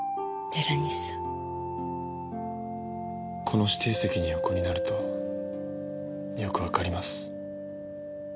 この指定席に横になるとよくわかります。